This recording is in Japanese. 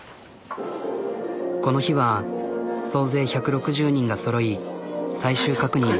この日は総勢１６０人がそろい最終確認。